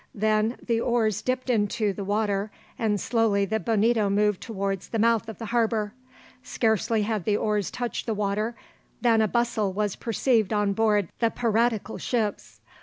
Then the oars dipped into the water, and slowly the Bonito moved towards the mouth of the harbour. Scarcely had the oars touched the water, than a bustle was perceived on board the piratical ships.